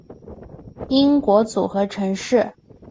英国组合城市